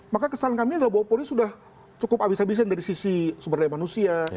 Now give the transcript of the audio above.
maka kesan kami adalah bahwa polri sudah cukup habis habisan dari sisi sumber daya manusia